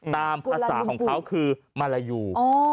ตามภาษาของเขาคือมาลายู